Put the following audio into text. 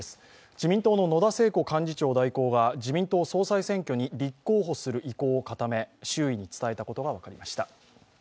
自民党の野田聖子幹事長代行が自民党総裁選挙に立候補する意向を固め、周囲に伝えたことが分かりました。